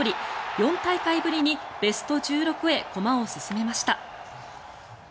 ４大会ぶりにベスト１６へ駒を進めました。